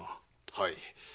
はい。